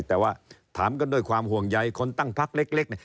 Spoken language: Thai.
แต่ว่าถามกันด้วยความห่วงใยคนตั้งพักเล็กเนี่ย